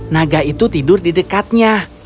naga itu tidur di dekatnya